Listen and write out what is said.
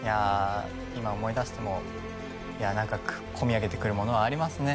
今、思い出してもこみあげてくるものはありますね。